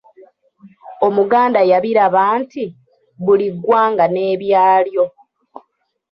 Omuganda yabiraba nti, “Buli ggwanga n’ebyalyo”.